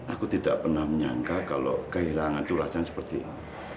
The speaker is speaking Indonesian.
aku tidak pernah menyangka kalau kehilangan durasinya seperti ini